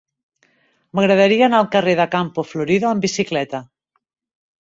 M'agradaria anar al carrer de Campo Florido amb bicicleta.